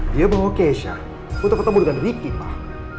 dia bawa keisha untuk ketemu dengan ricky pak